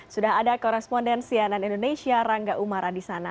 sudah ada korespondensi anan indonesia rangga umara di sana